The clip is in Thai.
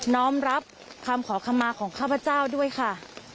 ้อมรับคำขอคำมาของข้าพเจ้าด้วยค่ะ